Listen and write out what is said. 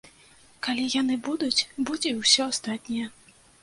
Калі яны будуць, будзе і ўсё астатняе.